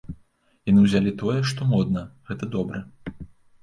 Яны ўзялі тое, што модна, гэта добра.